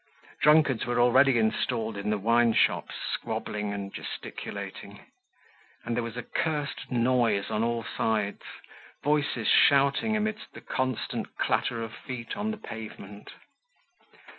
Drunkards were already installed in the wineshops, squabbling and gesticulating. And there was a cursed noise on all sides, voices shouting amid the constant clatter of feet on the pavement.